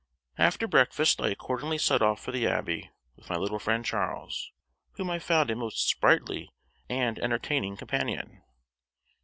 After breakfast I accordingly set oft for the Abbey with my little friend Charles, whom I found a most sprightly and entertaining companion.